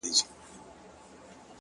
لوړ همت له ستړیا پورته وي،